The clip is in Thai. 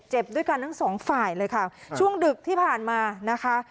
ด้วยกันทั้งสองฝ่ายเลยค่ะช่วงดึกที่ผ่านมานะคะ